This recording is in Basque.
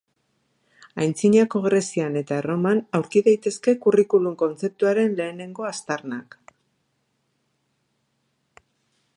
Antzinako Grezian eta Erroman aurki daitezke curriculum kontzeptuaren lehenengo aztarnak.